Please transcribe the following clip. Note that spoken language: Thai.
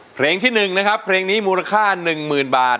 เพลงที่หนึ่งนะครับเพลงนี้มูลค่าหนึ่งหมื่นบาท